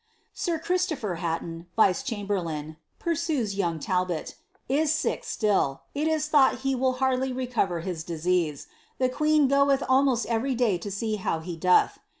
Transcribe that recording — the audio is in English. ^ Sir Christopher Hatton, vice chamberlain," pursues young Talbot, '^is sick still : it is thought he will hardly recover his disease; the queen gY>eth almost every day to see how he doth.